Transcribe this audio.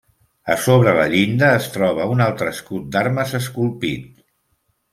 A sobre la llinda es troba un altre escut d'armes esculpit.